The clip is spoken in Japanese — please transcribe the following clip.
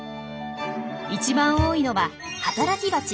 一番多いのは働きバチ。